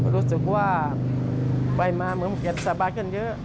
รู้สึกว่าไปมาเมืองเมืองเกียรติสบายขึ้นเยอะ